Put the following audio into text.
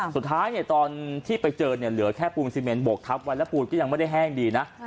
สุดท้ายเดี๋ยวที่ไปเจอเหลือแค่ปรุงซิเมนบกทำวันและปูดยังไม่ได้แห้งนะ